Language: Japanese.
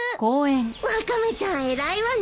ワカメちゃん偉いわね。